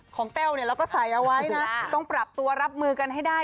แต้วเนี่ยเราก็ใส่เอาไว้นะต้องปรับตัวรับมือกันให้ได้